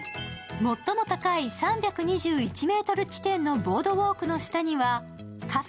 最も高い３２１ｍ地点のボードウォークの下にはＣａｆｅ